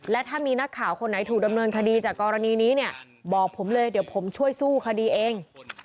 และถ้ามีนักข่าวคนไหนถูกดำเนินคดีจากกรณีนี้เนี่ยบอกผมเลยเดี๋ยวผมช่วยสู้คดีเอง